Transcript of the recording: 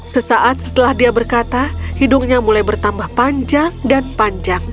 sesaat setelah dia berkata hidungnya mulai bertambah panjang dan panjang